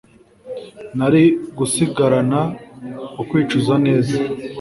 narigusigarana ukwicuza neza